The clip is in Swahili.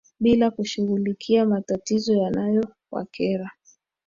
bila kushughulikia matatizo yanayowakera